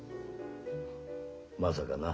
まさかな。